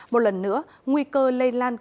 một lần nữa nguy cơ lây lan